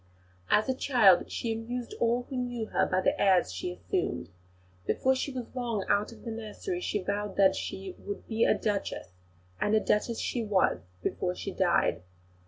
As a child she amused all who knew her by the airs she assumed. Before she was long out of the nursery she vowed that "she would be a Duchess," and a Duchess she was before she died.